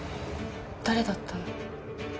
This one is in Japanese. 誰だったの？